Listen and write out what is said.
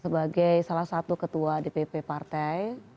sebagai salah satu ketua dpp partai